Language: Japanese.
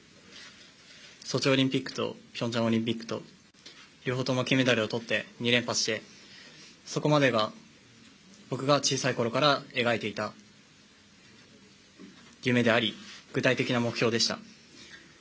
ソチオリンピックと平昌オリンピックと両方とも金メダルを取って２連覇してそこまでが僕が小さいころから描いていた夢であり、具体的な目標でした。